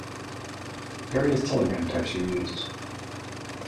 Various telegram types are used.